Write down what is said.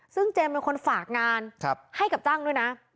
ซึ่งเจมส์เป็นคนฝากงานให้กับจ้างด้วยนะ